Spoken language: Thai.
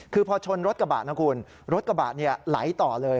คือพอชนรถกระบะนะคุณรถกระบะไหลต่อเลย